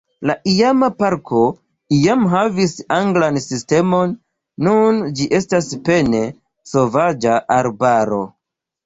La iama parko iam havis anglan sistemon, nun ĝi estas pene sovaĝa arbaro.